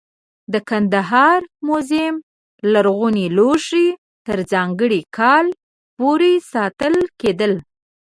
د کندهار موزیم لرغوني لوښي تر ځانګړي کال پورې ساتل کېدل.